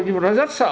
nhưng mà nó rất sợ